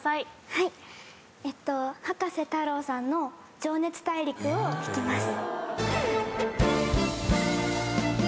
はい葉加瀬太郎さんの『情熱大陸』を弾きます。